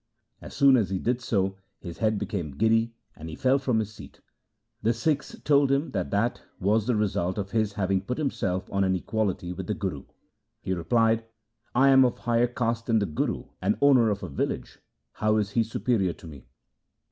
As soon as he did so his head became giddy, and he fell from his seat. The Sikhs told him that that was the result 30 THE SIKH RELIGION of his having put himself on an equality with the Guru. He replied, ' I am of higher caste than the Guru, and owner of a village. How is he superior to me